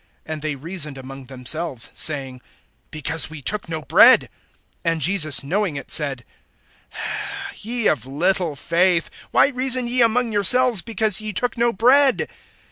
(7)And they reasoned among themselves, saying: Because we took no bread! (8)And Jesus knowing it said: Ye of little faith, why reason ye among yourselves, because ye took no bread?